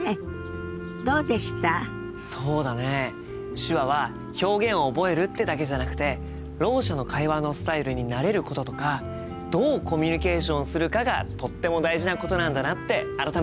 手話は表現を覚えるってだけじゃなくてろう者の会話のスタイルに慣れることとかどうコミュニケーションするかがとっても大事なことなんだなって改めて思ったよ。